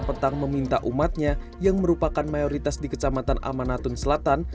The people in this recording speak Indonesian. petang meminta umatnya yang merupakan mayoritas di kecamatan amanatun selatan